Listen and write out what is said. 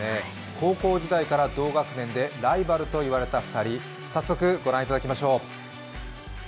高校時代から同学年でライバルといわれた２人、早速ご覧いただきましょう。